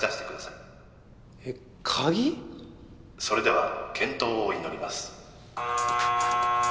それでは健闘を祈ります。